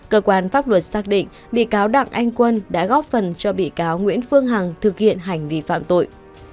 cơ quan pháp luật xác định bị cáo đặng anh quân đã góp phần cho bị cáo nguyễn phương hằng thực hiện hành vi phạm tội